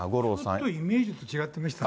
ちょっとイメージと違ってましたね。